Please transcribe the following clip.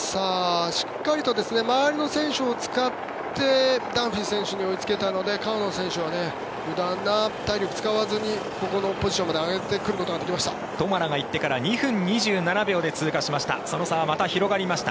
しっかりと周りの選手も使ってダンフィー選手に追いつけたので川野選手は無駄な体力を使わずにここのポジションまで上げることができました。